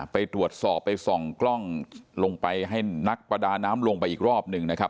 ไปตรวจสอบไปส่องกล้องลงไปให้นักประดาน้ำลงไปอีกรอบหนึ่งนะครับ